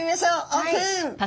オープン！